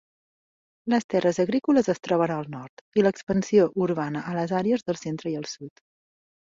Les terres agrícoles es troben al nord i l'expansió urbana a les àrees del centre i el sud.